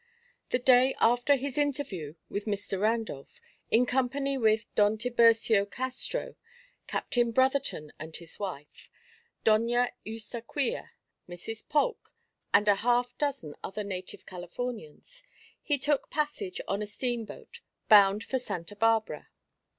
The day after his interview with Mr. Randolph, in company with Don Tiburcio Castro, Captain Brotherton and his wife, Doña Eustaquia, Mrs. Polk, and a half dozen other native Californians, he took passage on a steamboat bound for Santa Barbara.